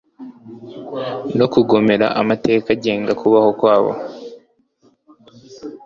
no kugomera amategeko agenga ukubaho kwabo